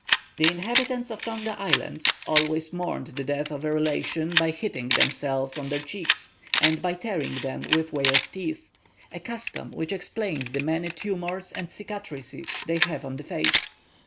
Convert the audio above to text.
The inhabitants of Tonga Island always mourned the death of a relation, by hitting themselves on their cheeks, and by tearing them with whale's teeth, a custom which explains the many tumours and cicatrices they have on the face.